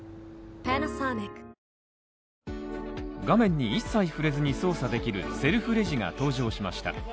画面に一切触れずに操作できるセルフレジが登場しました。